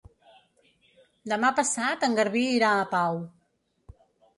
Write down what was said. Demà passat en Garbí irà a Pau.